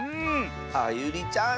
あゆりちゃん